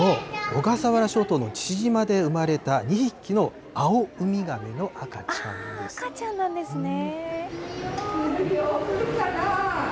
小笠原諸島の父島で生まれた２匹のアオウミガメの赤ちゃんで赤ちゃんなんですね。